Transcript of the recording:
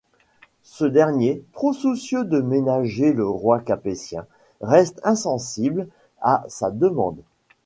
Ce dernier, trop soucieux de ménager le roi capétien, reste insensible sa demande.